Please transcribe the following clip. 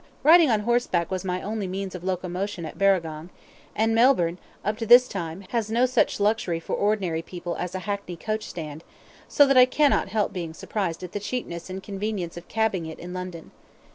Riding on horseback was my only means of locomotion at Barragong; and Melbourne, up to this time, has no such luxury for ordinary people as a hackney coach stand, so that I cannot help being surprised at the cheapness and convenience of cabbing it in London.